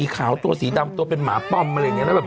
ไปซื้อหมาไหมไหม